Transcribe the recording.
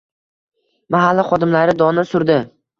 Mahalla xodimlari dona surdi